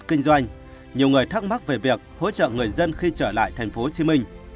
kinh doanh nhiều người thắc mắc về việc hỗ trợ người dân khi trở lại tp hcm